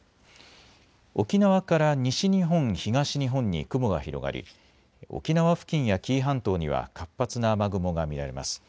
沖縄から西日本、東日本に雲が広がり沖縄付近や紀伊半島には活発な雨雲が見られます。